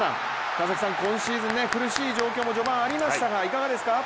川崎さん、今シーズン苦しい状況も序盤ありましたが、いかがでしたか？